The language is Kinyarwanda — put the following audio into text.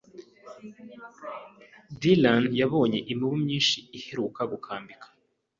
Dylan yabonye imibu myinshi iheruka gukambika.